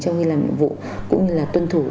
trong khi làm nhiệm vụ cũng như là tuân thủ